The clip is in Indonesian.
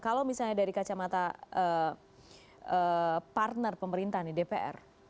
kalau misalnya dari kacamata partner pemerintah nih dpr